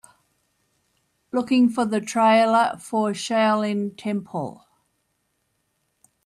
Looking for the trailer for Shaolin Temple